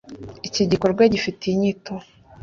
Iki gikorwa gifite inyito